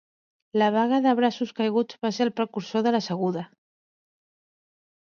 La vaga de braços caiguts va ser el precursor de la seguda.